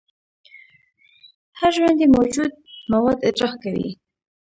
هر ژوندی موجود مواد اطراح کوي